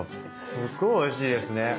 すっごいおいしいですね。